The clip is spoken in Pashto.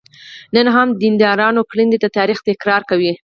نن هم د دیندارانو کړنې د تاریخ تکرار کوي.